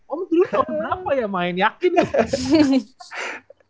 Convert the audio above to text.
om dulu ke om berapa ya main yakin dong